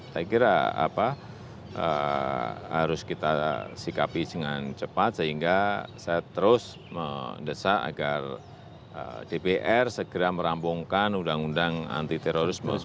saya kira harus kita sikapi dengan cepat sehingga saya terus mendesak agar dpr segera merampungkan undang undang anti terorisme